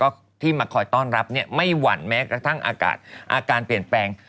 ก็ที่มาคอยต้อนรับเนี่ยไม่หวั่นแม้กระทั่งอากาศอาการเปลี่ยนแปลง